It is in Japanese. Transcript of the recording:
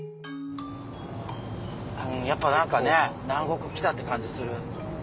やっぱ何かね南国来たって感じする。